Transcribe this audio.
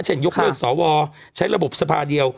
ยกเลิกสวใช้ระบบสภาเดียว